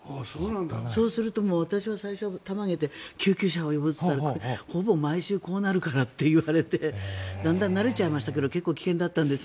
そうすると私は最初、たまげて救急車を呼ぶと言ったらほぼ毎週こうなるからって言われてだんだん慣れちゃいましたけど結構危険だったんですね。